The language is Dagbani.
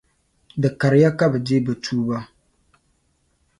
di kariya ka bɛ deei bɛ tuuba.